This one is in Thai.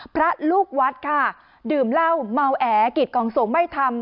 พระลูกวัดค่ะดื่มเหล้าเมาแอกิจของสงฆ์ไม่ทำ